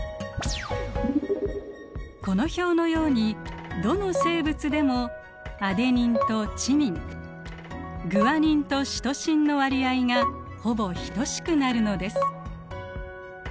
この表のようにどの生物でもアデニンとチミングアニンとシトシンの割合がほぼ等しくなるのです。